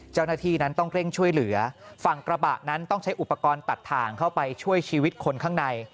เจ้าหน้าที่นั้นต้องเร่งช่วยเหลือฝั่งกระบะนั้นต้องใช้อุปกรณ์ตัดถ่างเข้าไปช่วยชีวิตคนข้างใน